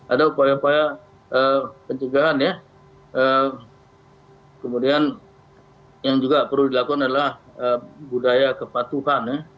ada upaya upaya pencegahan ya kemudian yang juga perlu dilakukan adalah budaya kepatuhan ya